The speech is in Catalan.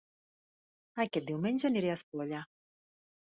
Aquest diumenge aniré a Espolla